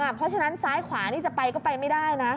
เพราะฉะนั้นซ้ายขวานี่จะไปก็ไปไม่ได้นะ